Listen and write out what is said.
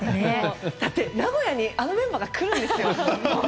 名古屋にあのメンバーが来るんですよ！